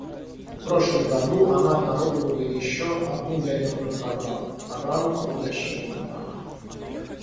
В прошлом году она обнародовала еще одну ядерную программу — программу обогащения урана.